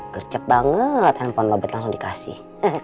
gercep banget handphone robet langsung dikasih